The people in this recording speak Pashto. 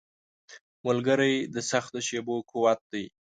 ملګری د سختو شېبو قوت دی.